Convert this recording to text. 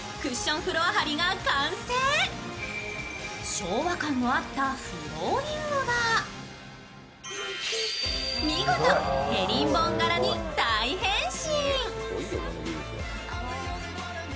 昭和感のあったフローリングが見事、ヘリンボーン柄に大変身。